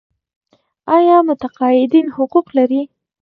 آیا متقاعدین حقوق لري؟